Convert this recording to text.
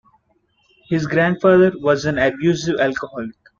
His grandfather was an abusive alcoholic.